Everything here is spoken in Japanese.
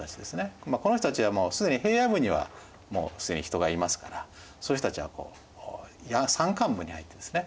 この人たちはもう既に平野部にはもう既に人がいますからそういう人たちは山間部に入ってですね